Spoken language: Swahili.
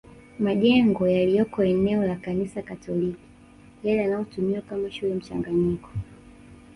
Majengo yaliyoko eneo la Kanisa Katoliki yale yanayotumiwa kama shule mchanganyiko